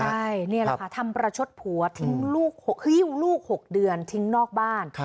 ใช่นี่แหละค่ะทำประชดผัวทิ้งลูกหิ้วลูก๖เดือนทิ้งนอกบ้าน